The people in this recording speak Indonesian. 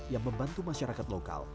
yang membantu masyarakat lokal